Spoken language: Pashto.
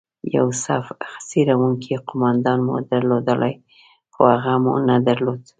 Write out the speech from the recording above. یو صف څیرونکی قومندان مو درلودلای، خو هغه مو نه درلود.